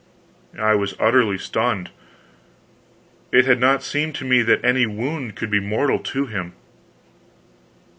I was utterly stunned; it had not seemed to me that any wound could be mortal to him.